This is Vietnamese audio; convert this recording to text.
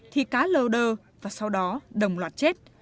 thì cá lầu đơ và sau đó đồng loạt chết